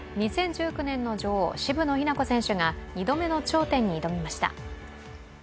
２０１９年の女王・渋野日向子選手が２度目の頂点に挑みました。